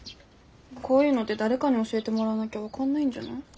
こういうのって誰かに教えてもらわなきゃ分かんないんじゃない？